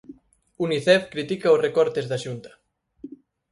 Unicef critica os recortes da Xunta.